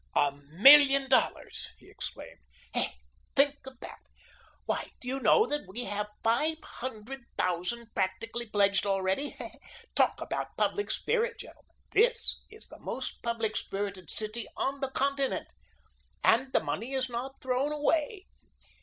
"A million dollars," he exclaimed. "Hey! think of that. Why, do you know that we have five hundred thousand practically pledged already? Talk about public spirit, gentlemen, this is the most public spirited city on the continent. And the money is not thrown away.